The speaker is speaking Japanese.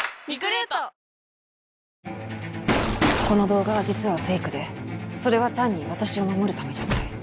この動画は実はフェイクでそれは単に私を守るためじゃない。